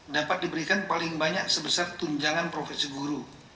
dapat diberikan paling banyak sebesar tunjangan profesi guru